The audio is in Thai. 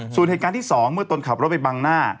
ส่วนเหตุการณ์ที่๒เมื่อตนขับรถไปบังหน้า